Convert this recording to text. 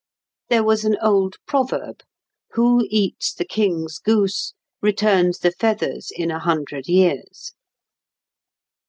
There was an old proverb, "Who eats the king's goose returns the feathers in a hundred years."